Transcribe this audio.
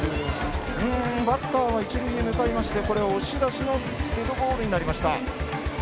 バッターは１塁へ向かいまして押し出しのデッドボールになりました。